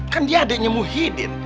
kan dia adeknya muhyiddin